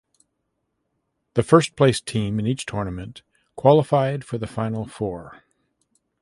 The first placed team in each tournament qualified for the final four.